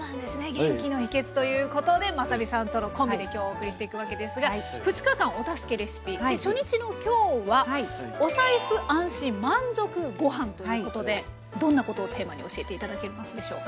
元気の秘けつということでまさみさんとのコンビで今日お送りしていくわけですが２日間「お助けレシピ」初日の今日はということでどんなことをテーマに教えて頂けますでしょうか。